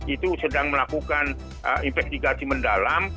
itu sedang melakukan investigasi mendalam